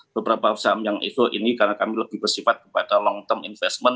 beberapa saham yang evo ini karena kami lebih bersifat kepada long term investment